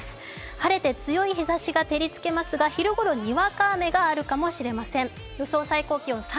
晴れて強い日ざしが照りつけますが、昼頃、にわか雨があるかもしれません。